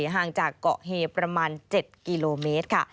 ห่างจากเกาะเฮประมาณ๗กิโลเมตรค่ะ